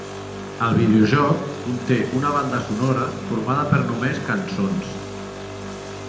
El videojoc conté una banda sonora formada per només cançons.